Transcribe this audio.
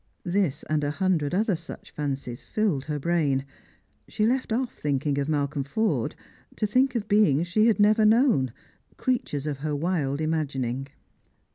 This and a hundred other such fancies filled her brain. She left off thinking of Malcolm Forde, to think of beings she had never known, crea tures of her wild imagining.